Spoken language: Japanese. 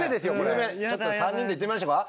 有名ちょっと３人で言ってみましょうか。